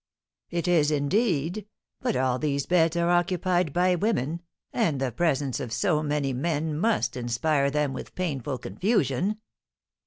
"It is indeed! But all these beds are occupied by women, and the presence of so many men must inspire them with painful confusion!"